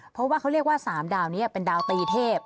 เพราะว่าเขาเรียกว่า๓ดาวนี้เป็นดาวตีเทพ